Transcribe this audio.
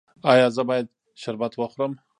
ایا زه باید شربت وخورم؟